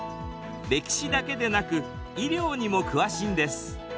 歴史だけでなく医療にも詳しいんです。